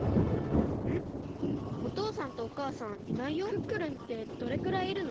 クックルンってどれくらいいるの？